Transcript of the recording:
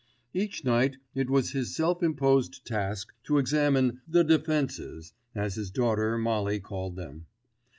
Each night it was his self imposed task to examine "the defences" as his daughter, Mollie, called them.